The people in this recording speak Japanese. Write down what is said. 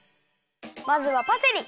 まずはパセリ。